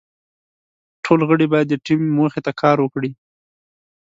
ټول غړي باید د ټیم موخې ته کار وکړي.